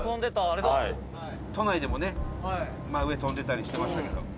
伊達：都内でもね、真上飛んでたりしてましたけど。